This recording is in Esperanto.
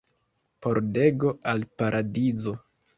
Pordego al Paradizo.